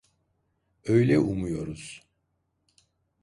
Öyle umuyoruz.